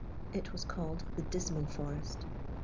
It was called the Dismal Forest.